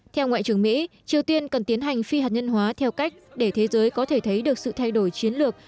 theo ngoại trưởng mỹ triều tiên cần tiến hành phi hạt nhân hóa theo cách để thế giới có thể thấy được sự thay đổi chiến lược